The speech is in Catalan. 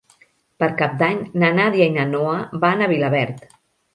Per Cap d'Any na Nàdia i na Noa van a Vilaverd.